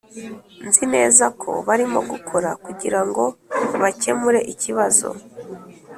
nzi neza ko barimo gukora kugirango bakemure ikibazo.